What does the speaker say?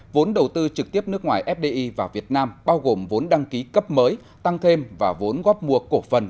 vốn đầu tư trực tiếp nước ngoài fdi vào việt nam bao gồm vốn đăng ký cấp mới tăng thêm và vốn góp mua cổ phần